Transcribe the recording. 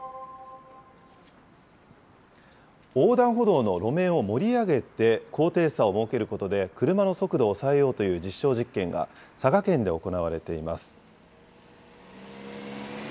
横断歩道の路面を盛り上げて、高低差を設けることで車の速度を抑えようという実証実験が、佐賀県で行われています。